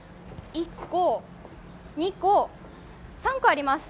１個、２個、３個あります。